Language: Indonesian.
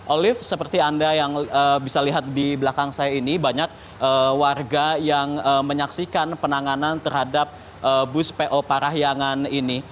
olive seperti anda yang bisa lihat di belakang saya ini banyak warga yang menyaksikan penanganan terhadap bus po parahyangan ini